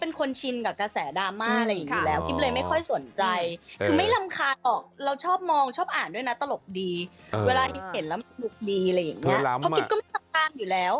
เวลาที่เห็นแล้วมันมุกดีอะไรอย่างเงี้ยเพราะกิ๊บก็ไม่ทำตามอยู่แล้ว